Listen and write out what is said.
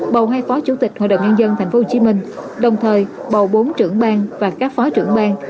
bầu hai phó chủ tịch hội đồng nhân dân tp hcm đồng thời bầu bốn trưởng bang và các phó trưởng bang